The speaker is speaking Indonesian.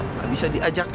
nggak bisa diajak